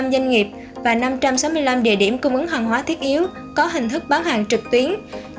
hai mươi doanh nghiệp và năm trăm sáu mươi năm địa điểm cung ứng hàng hóa thiết yếu có hình thức bán hàng trực tuyến